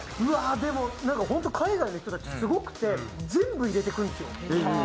でも、海外の人たちすごくて全部入れてくるんですよ。